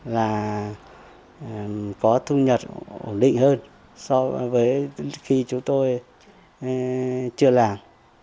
là có thu nhập ổn định hơn so với khi chúng tôi chưa làm